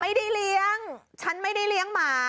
ไม่ได้เลี้ยงฉันไม่ได้เลี้ยงหมา